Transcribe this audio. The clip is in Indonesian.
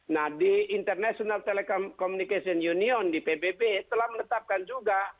nah di international telecommunication union di pbb telah menetapkan juga